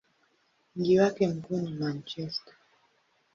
Mji wake mkuu ni Manchester.